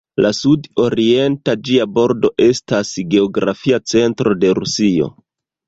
La sud-orienta ĝia bordo estas geografia centro de Rusio.